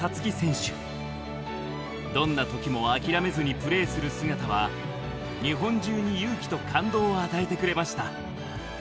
どんな時も諦めずにプレーする姿は日本中に勇気と感動を与えてくれました。